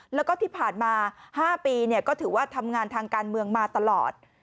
แล้วก็ที่ผ่านมา๕ปีก็ถือว่าทำงานทางการเมืองมาตลอด